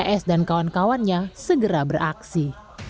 es dan kawan kawannya segera beraksi